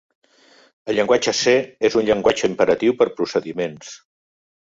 El llenguatge C és un llenguatge imperatiu per procediments.